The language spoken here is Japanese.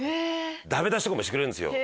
ダメ出しもしてくれるんですよ。